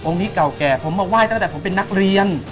นี้เก่าแก่ผมมาไหว้ตั้งแต่ผมเป็นนักเรียน